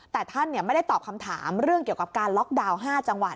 แต่ท่านไม่ได้ตอบคำถามเรื่องเกี่ยวกับการล็อกดาวน์๕จังหวัด